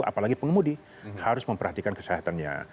apalagi pengemudi harus memperhatikan kesehatannya